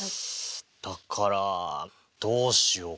だからどうしようかな。